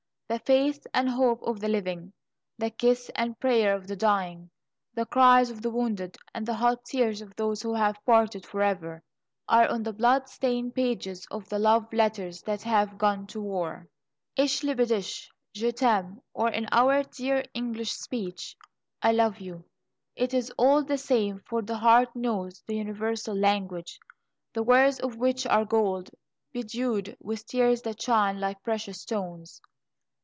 The faith and hope of the living, the kiss and prayer of the dying, the cries of the wounded, and the hot tears of those who have parted forever, are on the blood stained pages of the love letters that have gone to war. "Ich liebe Dich," "Je t'aime," or, in our dear English speech, "I love you," it is all the same, for the heart knows the universal language, the words of which are gold, bedewed with tears that shine like precious stones.